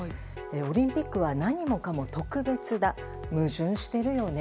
オリンピックは何もかも特別だ矛盾してるよね。